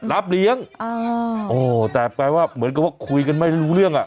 รับเลี้ยงอ่าโอ้แต่แปลว่าเหมือนกับว่าคุยกันไม่รู้เรื่องอ่ะ